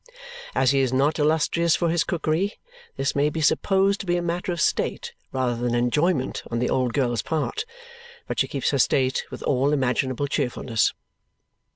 As he is not illustrious for his cookery, this may be supposed to be a matter of state rather than enjoyment on the old girl's part, but she keeps her state with all imaginable cheerfulness.